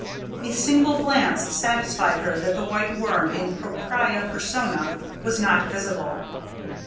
A single glance satisfied her that the White Worm in propria persona was not visible.